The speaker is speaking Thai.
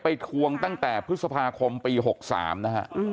ทวงตั้งแต่พฤษภาคมปี๖๓นะฮะ